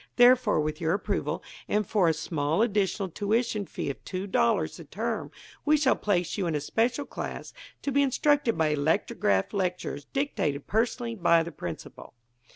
Therefore, with your approval, and for a small additional tuition fee of $2 the term, we shall place you in a special class to be instructed by electrographed lectures dictated personally by the principal.'"